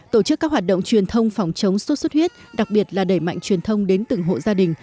tổ chức các hoạt động truyền thông phòng chống sốt xuất huyết đặc biệt là đẩy mạnh truyền thông đến từng hộ gia đình